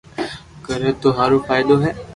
ڪري تو ٿو ھارو فائدو ھي